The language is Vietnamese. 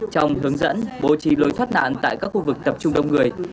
trong hướng dẫn bố trí lối thoát nạn tại các khu vực tập trung đông người